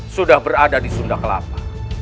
sudah berada di sunda kelapa